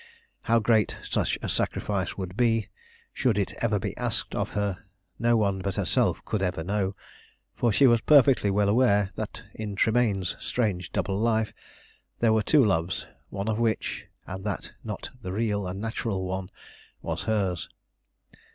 How great such a sacrifice would be, should it ever be asked of her, no one but herself could ever know, for she was perfectly well aware that in Tremayne's strange double life there were two loves, one of which, and that not the real and natural one, was hers.